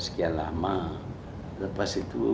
sekian lama lepas itu